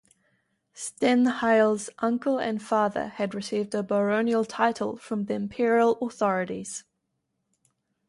Stenheil's uncle and father had received a baronial title from the imperial authorities.